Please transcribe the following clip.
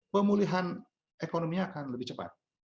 pemulihan ekonominya akan lebih cepat